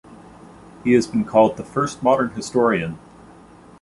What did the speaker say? He has been called the first modern historian.